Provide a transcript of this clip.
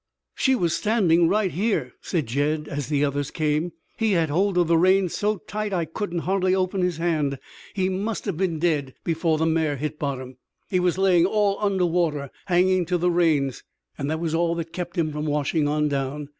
"She was standing right here," said Jed as the others came, "He had hold of the reins so tight I couldn't hardly open his hand. He must have been dead before the mare hit bottom. He was laying all under water, hanging to the reins, and that was all that kept him from washing on down."